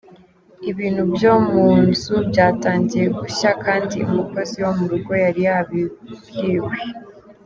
Ibintu byo mu nzu byatangiye gushya , kandi umukozi wo m’urugo yari yabibwiwe.